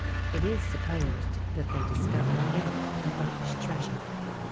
It is supposed that they discovered in it much treasure.